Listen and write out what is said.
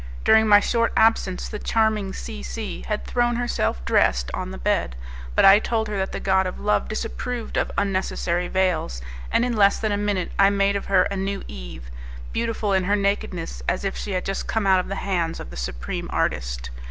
During my short absence, my charming C C had thrown herself dressed on the bed, but I told her that the god of love disapproved of unnecessary veils, and in less than a minute I made of her a new Eve, beautiful in her nakedness as if she had just come out of the hands of the Supreme Artist.